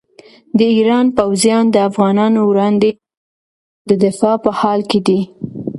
د ایران پوځیان د افغانانو وړاندې د دفاع په حال کې دي.